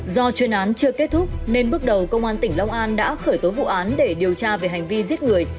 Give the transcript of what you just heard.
do chuyên án chưa kết thúc nên bước đầu công an tỉnh long an đã khởi tố vụ án để điều tra về hành vi giết người